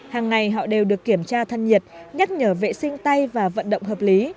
hàng ngày họ đều được kiểm tra thân nhiệt nhắc nhở vệ sinh tay và vận động hợp lý